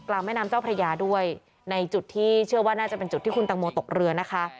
แม่น้ำเจ้าพระยาด้วยในจุดที่เชื่อว่าน่าจะเป็นจุดที่คุณตังโมตกเรือนะคะ